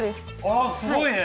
あすごいね。